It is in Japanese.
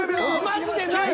マジでない。